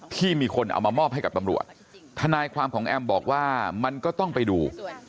ที่มีคนเอามามอบให้กับตำรวจทนายความของแอมบอกว่ามันก็ต้องไปดู